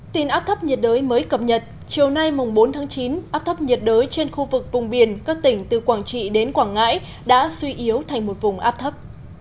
tin áp thấp nhiệt đới mới cập nhật chiều nay bốn tháng chín áp thấp nhiệt đới trên khu vực vùng biển các tỉnh từ quảng trị đến quảng ngãi đã suy yếu thành một vùng áp thấp